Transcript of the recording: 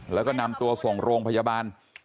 แล้วก็นำตัวส่งโรงพยาบาล